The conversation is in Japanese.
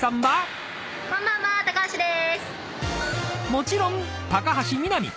［もちろん高橋みなみ］